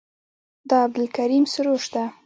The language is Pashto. دا عبدالکریم سروش ده.